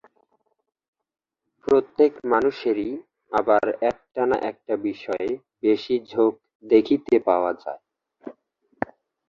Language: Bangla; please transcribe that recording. প্রত্যেক মানুষেরই আবার একটা-না-একটা বিষয়ে বেশী ঝোঁক দেখিতে পাওয়া যায়।